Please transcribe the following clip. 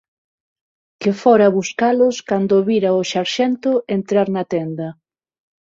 Que fora buscalos cando vira o sarxento entrar na tenda.